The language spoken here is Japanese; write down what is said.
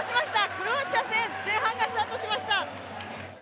クロアチア戦、前半がスタートしました。